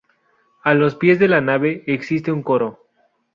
A los pies de la nave existe un coro.